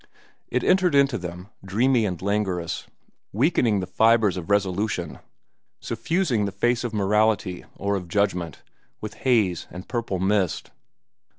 It entered into them, dreamy and languorous, weakening the fibres of resolution, suffusing the face of morality, or of judgment, with haze and purple mist.